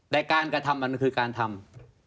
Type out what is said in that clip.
แต่การกระทำมันคือการทำ